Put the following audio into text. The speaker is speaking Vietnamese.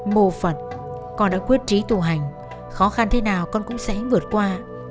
mô phật con đã quyết trí tù hành khó khăn thế nào con cũng sẽ vượt qua